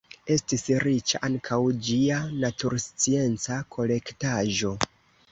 Estis riĉa ankaŭ ĝia naturscienca kolektaĵo.